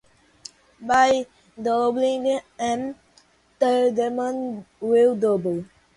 By doubling "m", the demand will double.